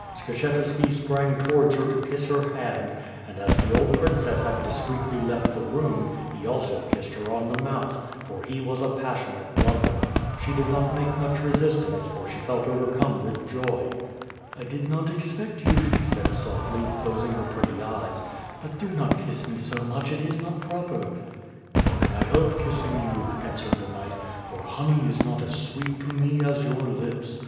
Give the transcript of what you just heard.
Skshetuski sprang towards her to kiss her hand; and, as the old princess had discreetly left the room, he also kissed her on the mouth, for he was a passionate lover. She did not make much re sistance for sne felt overcome with joy. "I did not expect you," she said softly, closing her pretty eyes, "but do not kiss me so much. It is not proper." "How can I help kissing you," answered the knight, "for honey is not as sweet to me as your lips.